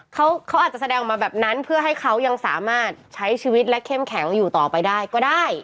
เขาเขาอาจจะแสดงออกมาแบบนั้นเพื่อให้เขายังสามารถใช้ชีวิตและเข้มแข็งอยู่ต่อไปได้ก็ได้